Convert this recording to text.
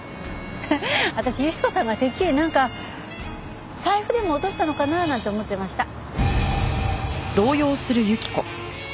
私雪子さんがてっきりなんか財布でも落としたのかななんて思ってました。